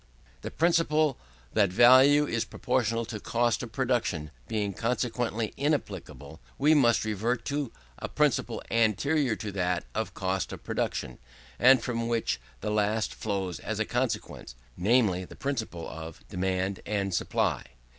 The principle, that value is proportional to cost of production, being consequently inapplicable, we must revert to a principle anterior to that of cost of production, and from which this last flows as a consequence, namely, the principle of demand and supply.